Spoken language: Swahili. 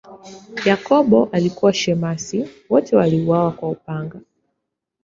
Yakobo alikuwa shemasi, wote waliuawa kwa upanga.